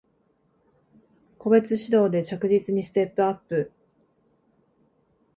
個別指導で着実にステップアップ